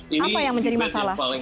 apa yang menjadi masalah